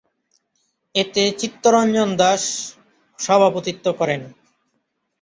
এতে চিত্তরঞ্জন দাশ সভাপতিত্ব করেন।